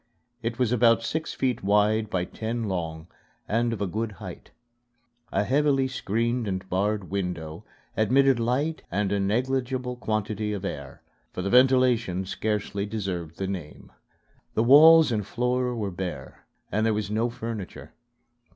It was about six feet wide by ten long and of a good height. A heavily screened and barred window admitted light and a negligible quantity of air, for the ventilation scarcely deserved the name. The walls and floor were bare, and there was no furniture.